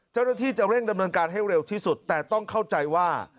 เจ้าหน้าที่จะเร่งดำเนินการให้เร็วที่สุดแต่ต้องเข้าใจว่า